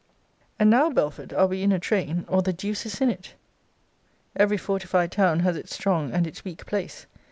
And now, Belford, are we in a train, or the deuce is in it. Every fortified town has its strong and its weak place.